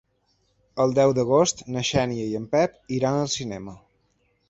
El deu d'agost na Xènia i en Pep iran al cinema.